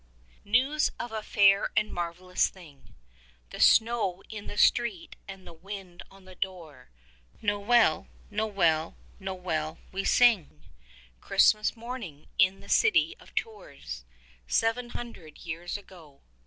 News of a fair and marvellous thing, (The snow in the street and the wind on the door), Nowell, Nowell, Nowell we sing! HRISTMAS morning in the city of Tours — seven hun drcd years ago.